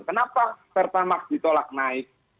kenapa pertamax ditolak naik